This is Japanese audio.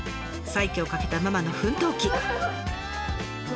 再起をかけたママの奮闘記。